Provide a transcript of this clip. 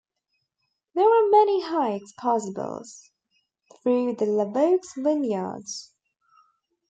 There are many hikes possibles through the Lavaux vineyards.